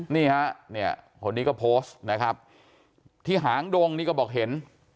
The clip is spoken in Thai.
นี่ฮะเนี่ยคนนี้ก็โพสต์นะครับที่หางดงนี่ก็บอกเห็น